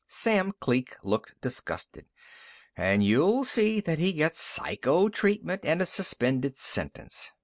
Sam Kleek looked disgusted. "And you'll see that he gets psycho treatment and a suspended sentence.